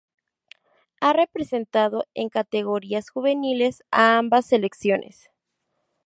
Ha representado en categorías juveniles a ambas selecciones.